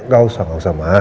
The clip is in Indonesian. gak usah gak usah marah